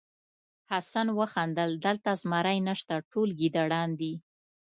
حسن وخندل دلته زمری نشته ټول ګیدړان دي.